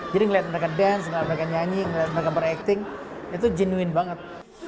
jadi ngeliat mereka dance ngeliat mereka nyanyi ngeliat mereka berakting itu jenuin banget